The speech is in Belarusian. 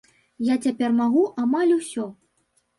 Я цяпер магу амаль усё.